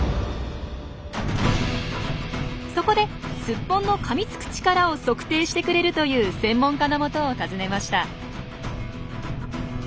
そこでスッポンのかみつく力を測定してくれるという専門家のもとを訪ねました。